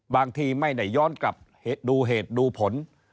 บางทีไม่ได้ย้อนกลับดูเหตุดูผล